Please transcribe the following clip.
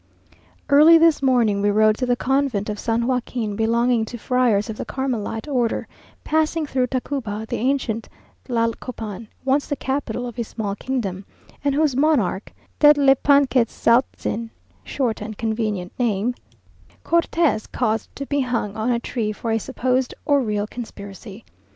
Early this morning we rode to the convent of San Joaquin, belonging to friars of the Carmelite order, passing through Tacuba, the ancient Tlacopan, once the capital of a small kingdom, and whose monarch, Tetlepanquetzaltzin (short and convenient name), Cortes caused to be hung on a tree for a supposed or real conspiracy.